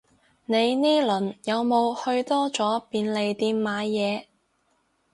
你呢輪有冇去多咗便利店買嘢